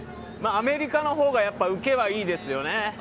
アメリカのほうがウケはいいですよね。